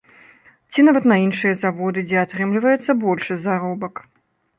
Ці нават на іншыя заводы, дзе атрымліваецца большы заробак.